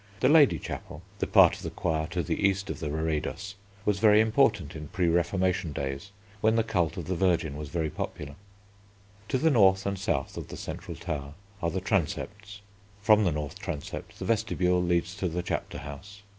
The Lady Chapel, the part of the choir to the east of the reredos, was very important in pre Reformation days when the cult of the Virgin was very popular. To the north and south of the Central Tower are the Transepts. From the North Transept the Vestibule leads to the Chapter House.